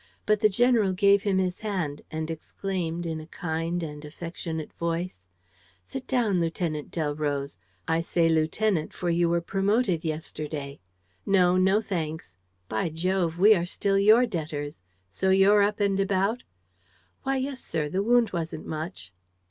But the general gave him his hand and exclaimed, in a kind and affectionate voice: "Sit down, Lieutenant Delroze. ... I say lieutenant, for you were promoted yesterday. No, no thanks. By Jove, we are still your debtors! So you're up and about?" "Why, yes, sir. The wound wasn't much."